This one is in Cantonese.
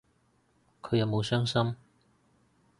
佢有冇傷心